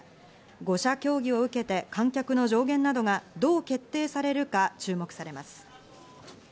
５者協議を受けて観客の条件などがどう決定されるか注目されます。